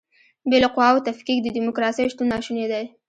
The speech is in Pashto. بې له قواوو تفکیک د دیموکراسۍ شتون ناشونی دی.